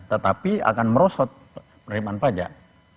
tetapi akan merosot penerimaan pajak